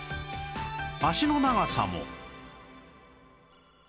脚の長さも